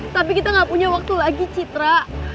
tapi kita gak punya waktu lagi citra